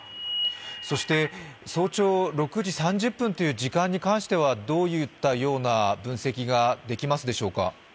そして早朝６時３０分という時間に関してはどういった分析ができますでしょうか？